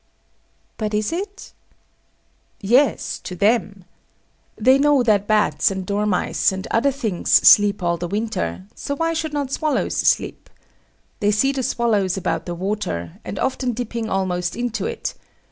But is it? Yes; to them. They know that bats and dormice and other things sleep all the winter; so why should not swallows sleep? They see the swallows about the water, and often dipping almost into it.